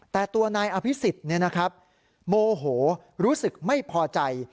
แต่ตัวนายอภิษฎเนี่ยนะครับโมโหรู้สึกไม่พอใจ